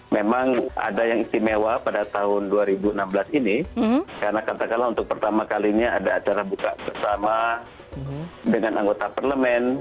memang ada yang istimewa pada tahun dua ribu enam belas ini karena katakanlah untuk pertama kalinya ada acara buka bersama dengan anggota parlemen